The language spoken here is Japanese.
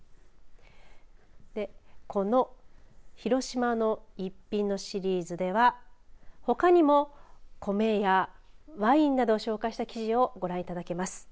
このひろしまの逸品のシリーズではほかにも米やワインなどを紹介した記事をご覧いただけます。